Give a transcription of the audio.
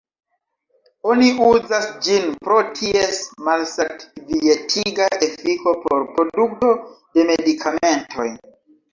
Oni uzas ĝin pro ties malsat-kvietiga efiko por produkto de medikamentoj.